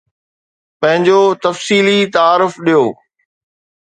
پنهنجو تفصيلي تعارف ڏيو